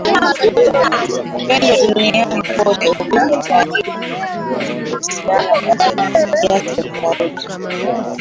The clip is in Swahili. upendo duniani koteUkristo na dini nyingine zinahusiana kwa kiasi tofauti